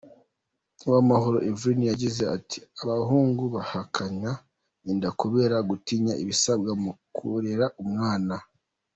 Uwamahoro Everine yagize ati “Abahungu bahakana inda kubera gutinya ibisabwa mu kurera umwana.